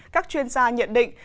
các chuyên gia nhận định